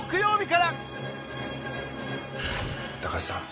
高橋さん。